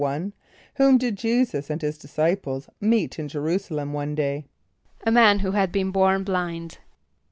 =1.= Whom did J[=e]´[s+]us and his disciples meet in J[+e] r[u:]´s[+a] l[)e]m one day? =A man who had been born blind.